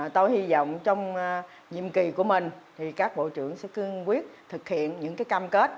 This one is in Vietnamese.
tôi hy vọng trong nhiệm kỳ của mình thì các bộ trưởng sẽ cương quyết thực hiện những cam kết